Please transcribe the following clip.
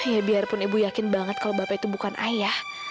ya biarpun ibu yakin banget kalau bapak itu bukan ayah